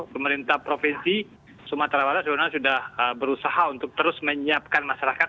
pemerintah provinsi sumatera barat sebenarnya sudah berusaha untuk terus menyiapkan masyarakat